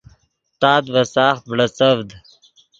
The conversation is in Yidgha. تات ڤے ساخت بڑیڅڤد